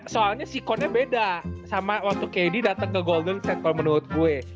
soalnya si cone nya beda sama waktu kd datang ke golden state kalo menurut gue